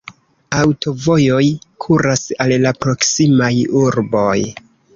Aŭtovojoj kuras al la proksimaj urboj.